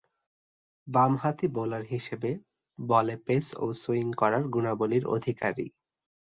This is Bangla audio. বামহাতি বোলার হিসেবে বলে পেস ও সুইং করার গুণাবলীর অধিকারী।